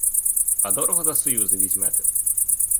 А дорого за союзи візьмете?